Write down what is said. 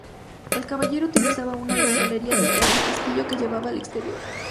El caballero utilizaba una de las galerías detrás del castillo que llevaban al exterior.